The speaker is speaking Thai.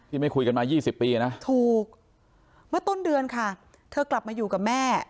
ที่ไม่คุยกันมายี่สิบปีน่ะถูกมาต้นเดือนค่ะเธอกลับมาอยู่กับแม่